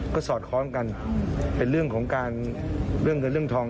ก็สอดคล้องกันเป็นเรื่องของการเรื่องเงินเรื่องทอง